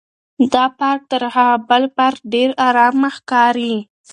دا پارک تر هغه بل پارک ډېر ارامه ښکاري.